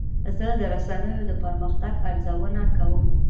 زه د رسنیو د پرمختګ ارزونه کوم.